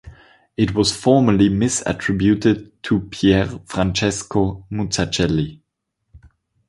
It was formerly misattributed to Pier Francesco Mazzucchelli.